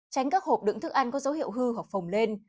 tránh các hộp đựng thức ăn có dấu hiệu hư hoặc phồng lên